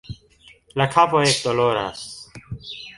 La kapo ekdoloras